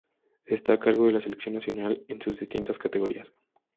Está a cargo de la selección nacional en sus distintas categorías.